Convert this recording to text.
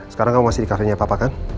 sekarang kamu masih di kafenya papa kan